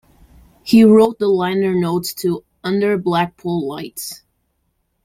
He wrote the liner notes to "Under Blackpool Lights".